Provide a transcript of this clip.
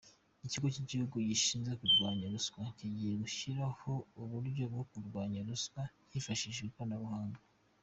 Icyigo kigihugu gishinzwe kurwanya ruswa kigiye gushyiraho uburyo bwo kurwanya ruswa hifashishijwe ikoranabuhanga